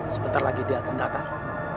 sebentar lagi dia akan datang